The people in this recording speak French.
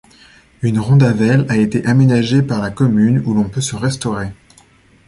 Une rondavelle a été aménagée par la commune où l'on peut se restaurer.